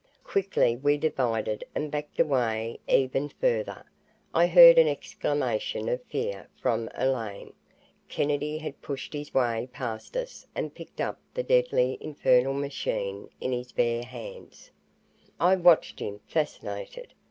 Quickly we divided and backed away even further. I heard an exclamation of fear from Elaine. Kennedy had pushed his way past us and picked up the deadly infernal machine in his bare hands. I watched him, fascinated.